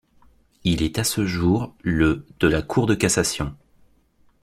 Il est à ce jour le de la cour de cassation.